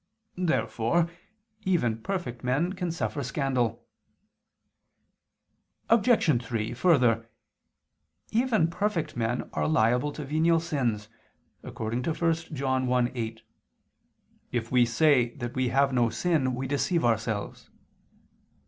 Therefore even perfect men can suffer scandal. Obj. 3: Further, even perfect men are liable to venial sins, according to 1 John 1:8: "If we say that we have no sin, we deceive ourselves."